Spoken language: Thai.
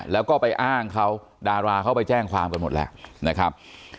แล้วก็ไปอ้างเขาดาราเขาไปแจ้งความกันหมดแล้วนะครับ